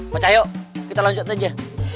pak cahyo kita lanjut aja